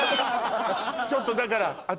ちょっとだから私。